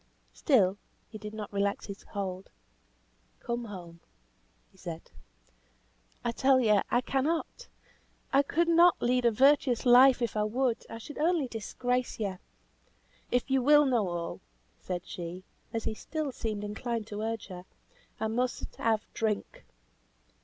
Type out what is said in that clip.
Still he did not relax his hold. "Come home," he said. "I tell you, I cannot. I could not lead a virtuous life if I would. I should only disgrace you. If you will know all," said she, as he still seemed inclined to urge her, "I must have drink.